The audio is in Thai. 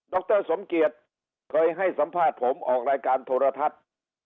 รสมเกียจเคยให้สัมภาษณ์ผมออกรายการโทรทัศน์